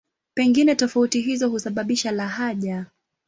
Pengine tofauti hizo husababisha lahaja.